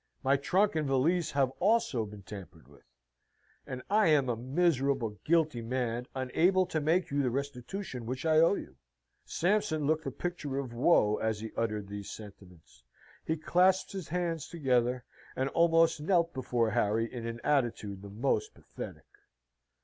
My trunk and valise have also been tampered with. And I am a miserable, guilty man, unable to make you the restitution which I owe you." Sampson looked the picture of woe as he uttered these sentiments. He clasped his hands together, and almost knelt before Harry in an attitude the most pathetic.